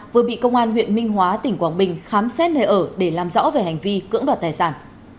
vừa bị công an huyện minh hóa tỉnh quảng bình khám xét nơi ở để làm rõ về hành vi cưỡng đoạt tài sản